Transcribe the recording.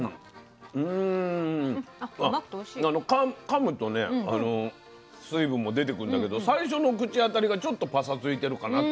かむとね水分も出てくんだけど最初の口当たりがちょっとパサついてるかなって感じが。